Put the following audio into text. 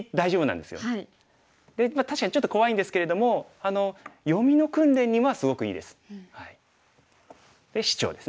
で確かにちょっと怖いんですけれども読みの訓練にはすごくいいです。